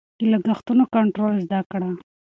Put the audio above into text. د لګښتونو کنټرول زده کړه.